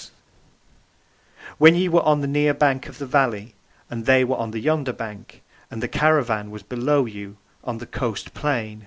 P: When ye were on the near bank (of the valley) and they were on the yonder bank, and the caravan was below you (on the coast plain).